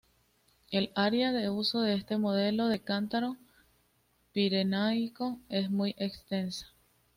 El área de uso de este modelo de cántaro pirenaico es muy extensa.